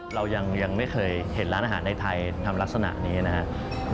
เรายังไม่เคยเห็นร้านอาหารในไทยทำลักษณะนี้นะครับ